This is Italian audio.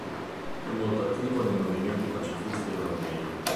È molto attivo nei movimenti pacifisti europei.